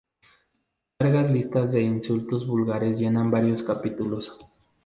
Largas listas de insultos vulgares llenan varios capítulos.